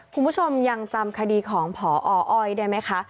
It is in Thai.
คุณผู้ชมยังจำคดีของพออ้อยได้ไหมคะ